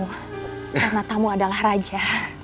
karena tamu adalah raja